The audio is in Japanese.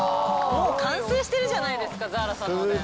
もう完成してるじゃないですかザーラさんのおでん。